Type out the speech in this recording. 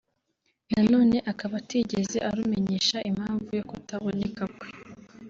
na none akaba atigeze arumenyesha impamvu yo kutaboneka kwe